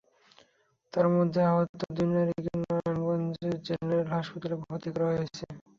তাদের মধ্যে আহত দুই নারীকে নারায়ণগঞ্জ জেনারেল হাসপাতালে ভর্তি করা হয়েছে।